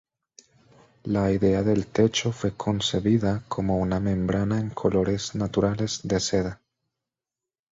La idea del techo fue concebida como una membrana en colores naturales de seda.